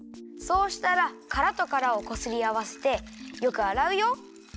そうしたらからとからをこすりあわせてよくあらうよ。